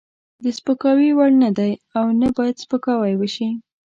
د سپکاوي وړ نه دی او نه باید سپکاوی وشي.